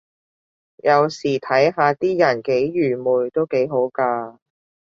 有時睇下啲人幾愚昧都幾好咖